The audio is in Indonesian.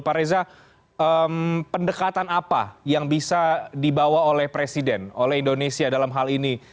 pak reza pendekatan apa yang bisa dibawa oleh presiden oleh indonesia dalam hal ini